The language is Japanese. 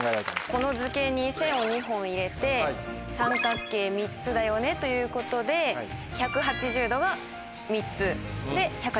この図形に線を２本入れて三角形３つだよねということで１８０度が３つ。